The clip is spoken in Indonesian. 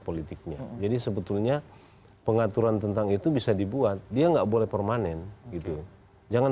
politiknya jadi sebetulnya pengaturan tentang itu bisa dibuat dia nggak boleh permanen gitu jangan